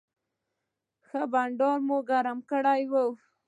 ښه بنډار مو ګرم کړی و.